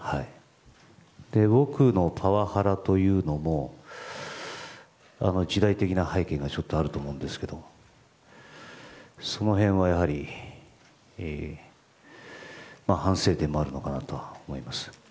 僕のパワハラというのも時代的な背景がちょっとあると思うんですけどその辺は反省点もあるのかなと思います。